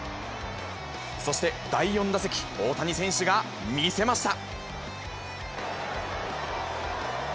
そして、第４打席、大谷選手が見せました。